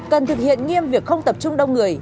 cần thực hiện nghiêm việc không tập trung đông người